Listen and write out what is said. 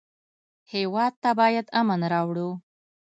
هېواد ته باید امن راوړو